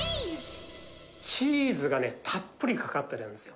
チーズがたっぷりかかってるんですよ。